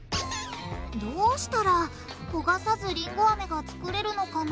どうしたらこがさずりんごアメがつくれるのかな？